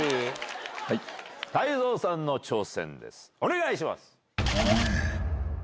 泰造さんの挑戦です、お願いします。